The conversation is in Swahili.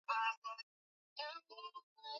Ukanda wa chini katika mwambao wa ziwa